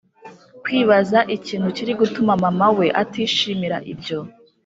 kwibaza ikintu kirigutuma mama we atishimira ibyo